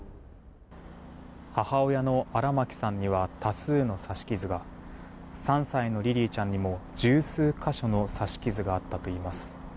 母親の荒牧さんには多数の刺し傷が３歳のリリィちゃんにも十数か所の刺し傷があったといいます。